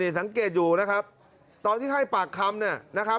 ตอนที่ให้ปากคำ